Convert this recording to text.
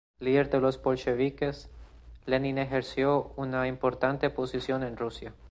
Líder de los bolcheviques, Lenin ejerció una importante posición en Rusia.